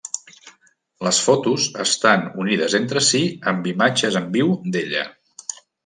Les fotos estan unides entre si amb imatges en viu d'ella.